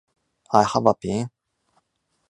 I have a pen.